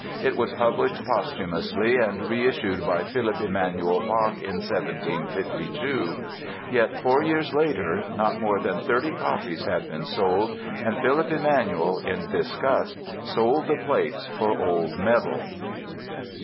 It was published posthumously and reissued by Philipp Emanuel Bach in 1752. Yet four years later not more than thirty copies had been sold and Philipp Emanuel, in disgust, sold the plates for old metal.